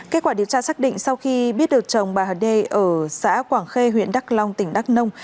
kết quả điều tra xác định sau khi biết được chồng bà hà đê ở xã quảng khê huyện đắk long tỉnh đắk nông